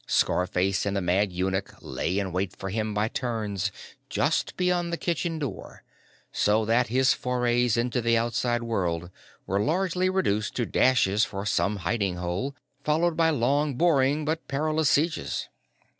Scarface and the Mad Eunuch lay in wait for him by turns just beyond the kitchen door, so that his forays into the outside world were largely reduced to dashes for some hiding hole, followed by long, boring but perilous sieges.